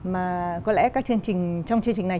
mà có lẽ các chương trình trong chương trình này